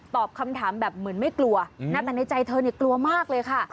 คำถามแบบเหมือนไม่กลัวนะแต่ในใจเธอเนี่ยกลัวมากเลยค่ะ